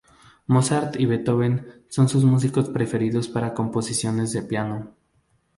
Mozart y Beethoven son sus músicos preferidos para composiciones de piano.